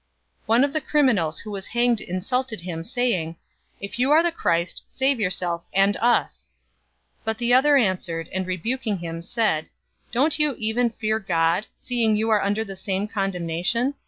023:039 One of the criminals who was hanged insulted him, saying, "If you are the Christ, save yourself and us!" 023:040 But the other answered, and rebuking him said, "Don't you even fear God, seeing you are under the same condemnation?